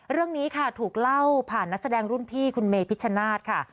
เรื่องนี้ค่ะถูกเล่าผ่านนักแสดงรุ่นพี่คุณเมพิชชนาธิ์ค่ะ